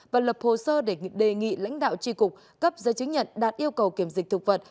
và lập hồ sơ để đề nghị lãnh đạo tri cục cấp giấy chứng nhận đạt yêu cầu kiểm dịch thực vật